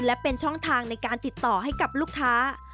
และเป็นช่องทางในการติดต่อให้กับลูกค้า